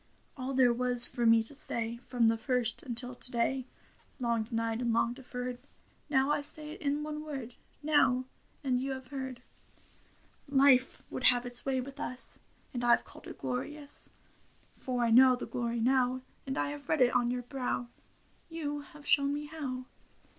All there was for me to say From the first until to day. Long denied and long deferred. Now I say it in one word — Now ; and you have heard. Life would have its way with us. And I Ve called it glorious : For I know the glory now THE WIFE OF PAUSSY 167 And I read it on your brow. You have shown me how.